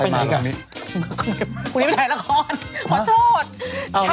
พรุ่งนี้ไปถ่ายละครขอโทษ